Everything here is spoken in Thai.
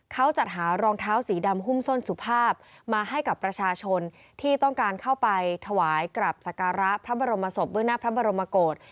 เขาจัดหารองเท้าสีดำหุ้มส้นสุภาพมาให้กับประชาชนที่ต้องการเข้าไปถวายกลับสการะพระบรมศพเบื้องหน้าพระบรมโกศ